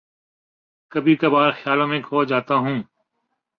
کبھی کبھار خیالوں میں کھو جاتا ہوں